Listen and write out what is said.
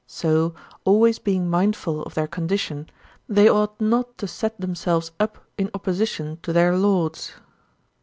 So, always being mindful of their condition, they ought not to set themselves up in opposition to their lords.